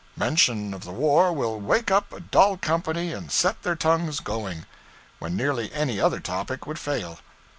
Mention of the war will wake up a dull company and set their tongues going, when nearly any other topic would fail.